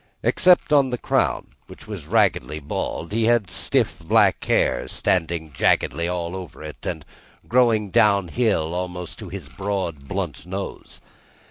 Except on the crown, which was raggedly bald, he had stiff, black hair, standing jaggedly all over it, and growing down hill almost to his broad, blunt nose.